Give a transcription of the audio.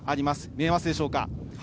見えますでしょうか。